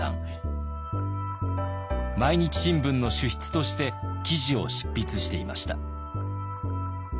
「毎日新聞」の主筆として記事を執筆していました。